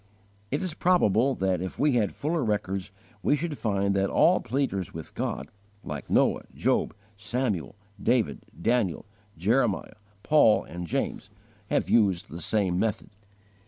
It is probable that if we had fuller records we should find that all pleaders with God, like Noah, Job, Samuel, David, Daniel, Jeremiah, Paul, and James, have used the same method.